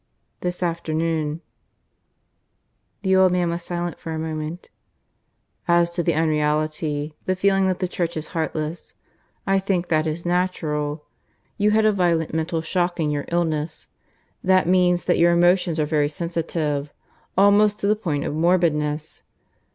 "This afternoon." The old man was silent for a moment. "As to the unreality, the feeling that the Church is heartless, I think that is natural. You had a violent mental shock in your illness. That means that your emotions are very sensitive, almost to the point of morbidness.